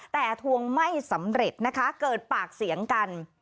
แต่ทวงไม่สำเร็จนะคะเกิดปากเสียงกัน